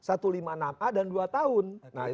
satu ratus lima puluh enam a dan dua tahun